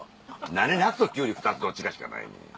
何でナスとキュウリ２つどっちかしかないねん。